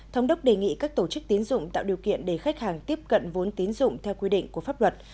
thống đốc đề nghị các tổ chức tín dụng tạo điều kiện để khách hàng tiếp cận vốn tín dụng theo quy định của pháp luật